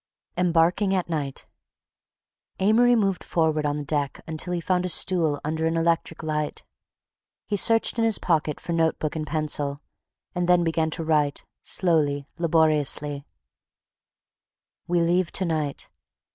EMBARKING AT NIGHT Amory moved forward on the deck until he found a stool under an electric light. He searched in his pocket for note book and pencil and then began to write, slowly, laboriously: "We leave to night...